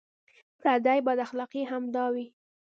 پردۍ بداخلاقۍ همدا وې.